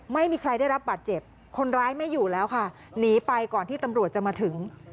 ไม่มีใครได้รับบาดเจ็บคนร้ายไม่อยู่แล้วค่ะหนีไปก่อนที่ตำรวจจะมาถึง